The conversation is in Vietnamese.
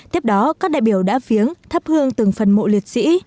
tiếp đó các đại biểu đã viếng thắp hương từng phần mộ liệt sĩ